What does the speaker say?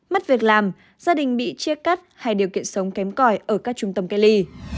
mất việc làm gia đình bị chia cắt hay điều kiện sống kém còi ở các trung tâm cách ly